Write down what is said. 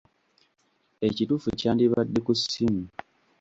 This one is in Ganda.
Ekituufu kyandibadde ‘ku ssimu.’